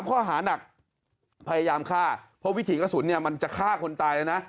ข้อหานักพยายามฆ่าเพราะวิถีกระสุนเนี่ยมันจะฆ่าคนตายเลยนะ